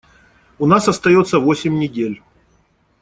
У нас остается восемь недель.